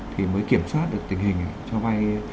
thì mới kiểm soát được tình hình cho vai